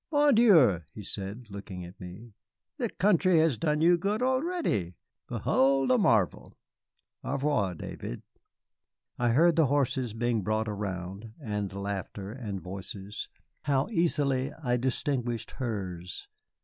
"Bon Dieu!" he said, looking at me, "the country has done you good already. Behold a marvel! Au revoir, David." I heard the horses being brought around, and laughter and voices. How easily I distinguished hers!